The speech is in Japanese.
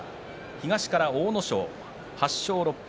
東から阿武咲８勝６敗